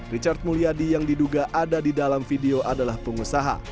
richard mulyadi yang diduga ada di dalam video adalah pengusaha